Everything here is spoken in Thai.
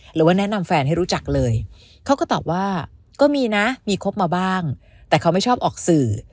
หรือว่าแนะนำแฟนให้รู้จักเลยเขาก็ตอบว่าก็มีนะมีคบมาบ้างแต่เขาไม่ชอบออกสื่อ